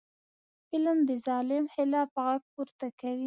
فلم د ظلم خلاف غږ پورته کوي